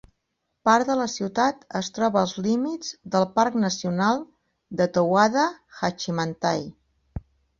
Part de la ciutat es troba als límits del parc nacional de Towada-Hachimantai.